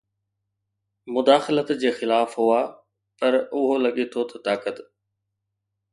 مداخلت جي خلاف هئا پر اهو لڳي ٿو ته طاقت